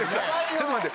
ちょっと待って。